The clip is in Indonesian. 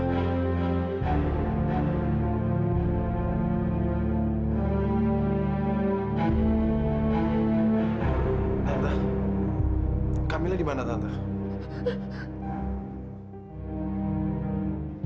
fadil kamu gak akan pernah bisa buka pintunya